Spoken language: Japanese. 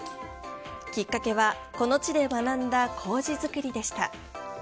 きっかけは、この地で学んだ麹造りでした。